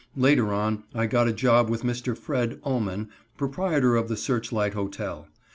Later on I got a job with Mr. Fred. Ullman, proprietor of the Searchlight Hotel.